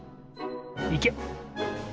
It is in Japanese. いけ！